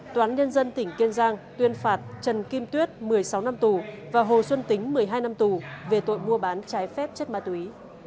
toán nhân dân tỉnh kiên giang tuyên phạt trần kim tuyết một mươi sáu năm tù và hồ xuân tính một mươi hai năm tù về tội mua bán trái phép chất ma túy